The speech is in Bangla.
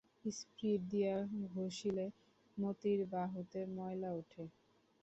স্পিরিট দিয়া ঘসিলে মতির বাহুতে ময়লা ওঠে।